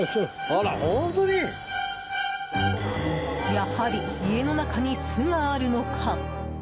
やはり、家の中に巣があるのか。